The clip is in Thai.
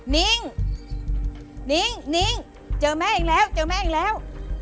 นิ้งนิ้งนิ้งเจอแม่อีกแล้วเจอแม่อีกแล้ว